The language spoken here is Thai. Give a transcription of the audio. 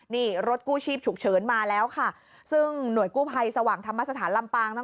นี่รถกู้ชีพฉุกเฉินมาแล้วค่ะซึ่งหน่วยกู้ภัยสว่างธรรมสถานลำปางนั้น